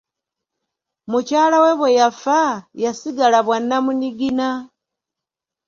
Mukyala we bwe yafa, yasigala bwa nnamunigina.